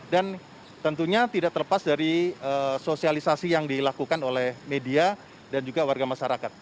dan tentunya tidak terlepas dari sosialisasi yang dilakukan oleh media dan juga warga masyarakat